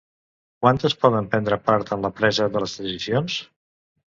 Quantes poden prendre part en la presa de les decisions?